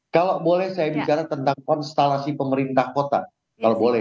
kalau boleh saya bicara tentang konstelasi pemerintah kota kalau boleh